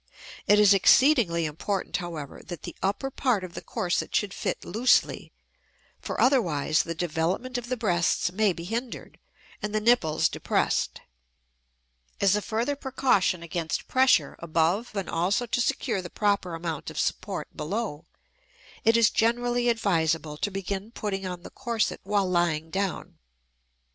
It is exceedingly important, however, that the upper part of the corset should fit loosely, for otherwise the development of the breasts may be hindered, and the nipples depressed. As a further precaution against pressure above and also to secure the proper amount of support below, it is generally advisable to begin putting on the corset while lying down.